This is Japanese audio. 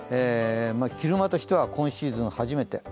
昼間としては今シーズン初めて。